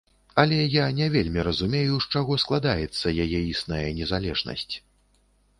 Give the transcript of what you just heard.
Але я не вельмі разумею, з чаго складаецца яе існая незалежнасць.